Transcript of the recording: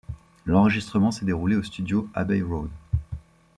L'enregistrement s'est déroulé aux Studios Abbey Road.